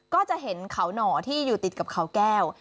ก็จะเห็นเขาหน่อที่อยู่ติดกับเขาแก้ว